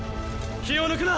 気を抜くな！